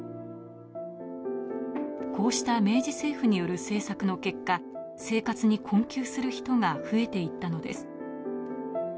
こうした明治政府による政策の結果、生活に困窮する人が増えていったのです。